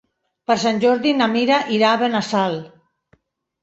Per Sant Jordi na Mira irà a Benassal.